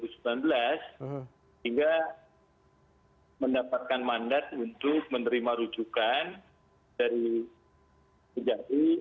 sehingga mendapatkan mandat untuk menerima rujukan dari pejabat i